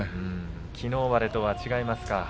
きのうまでとは違いますか。